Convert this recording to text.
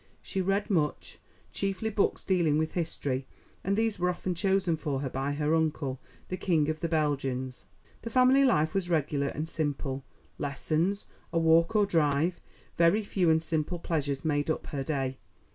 She read much, chiefly books dealing with history, and these were often chosen for her by her uncle, the King of the Belgians. The family life was regular and simple. Lessons, a walk or drive, very few and simple pleasures made up her day.